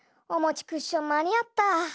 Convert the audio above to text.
おもちクッションまにあった。